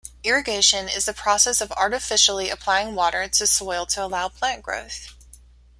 Irrigation is the process of artificially applying water to soil to allow plant growth.